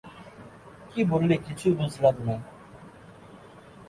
কী বললি কিছুই বুঝলাম না।